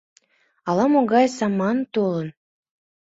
Ала-могай саман толын?